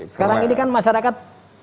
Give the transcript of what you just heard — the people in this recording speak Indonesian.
sekarang ini kan masyarakat